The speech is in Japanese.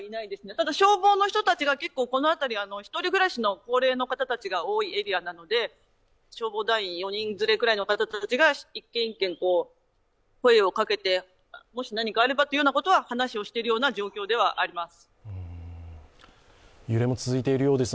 ただ、消防の人たちがこの辺り１人暮らしの高齢の方たちが多いエリアなので、消防団員、４人連れぐらいの方たちが一軒一軒、声をかけて、もし何かあればということを話している状況ではあります。